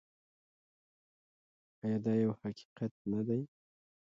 آیا دا یو حقیقت نه دی؟